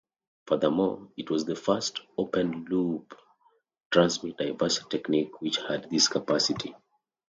Furthermore, it was the first open-loop transmit diversity technique which had this capability.